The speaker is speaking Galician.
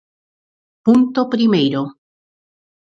Punto primeiro.